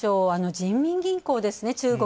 人民銀行ですね、中国。